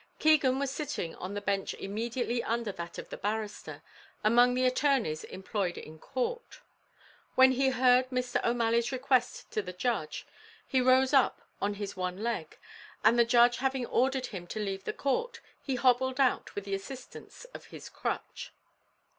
Keegan was sitting on the bench immediately under that of the barrister, among the attorneys employed in court. When he heard Mr. O'Malley's request to the judge, he rose up on his one leg, and the judge having ordered him to leave the court, he hobbled out with the assistance of his crutch.